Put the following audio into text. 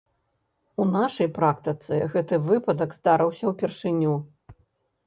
У нашай практыцы гэты выпадак здарыўся ўпершыню.